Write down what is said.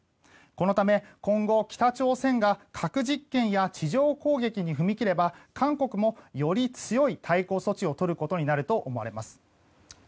このため今後、北朝鮮が核実験や地上砲撃に踏み切れば、韓国もより強い対抗措置をとることになると思われます。